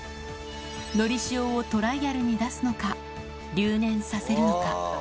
のりしおをトライアルに出すのか、留年させるのか。